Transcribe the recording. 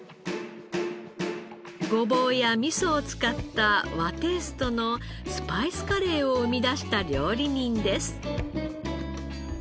ごぼうやみそを使った和テイストのスパイスカレーを生み出した料理人です。